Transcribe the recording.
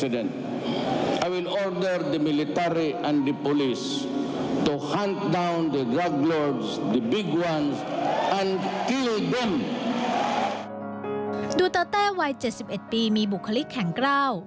ดูเตอร์เต้วัย๗๑ปีมีบุคลิกแข็งกล้าว